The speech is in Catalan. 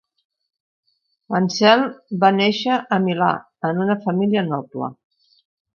Anselm va néixer a Milà en una família noble.